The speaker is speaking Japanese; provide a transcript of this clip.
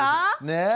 ねえ。